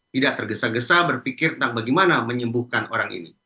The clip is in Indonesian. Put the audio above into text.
tidak tergesa gesa berpikir tentang bagaimana menyembuhkan orang ini